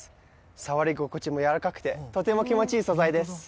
触り心地もやわらかくてとても気持ちいい素材です